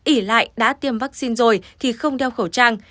ỉ lại đã tiêm vaccine rồi thì không đeo khẩu trang